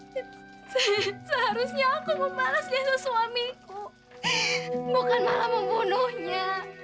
dinda seharusnya aku membalas jasa suamiku bukan malah membunuhnya